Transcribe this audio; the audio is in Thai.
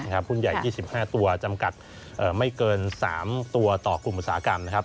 หุ้นใหญ่๒๕ตัวจำกัดไม่เกิน๓ตัวต่อกลุ่มอุตสาหกรรมนะครับ